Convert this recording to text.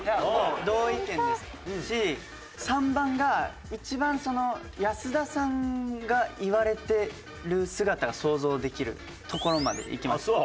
同意見ですし３番が一番安田さんが言われてる姿が想像できるところまでいきました。